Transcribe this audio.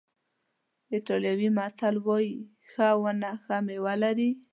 ایټالوي متل وایي ښه ونه ښه میوه لري.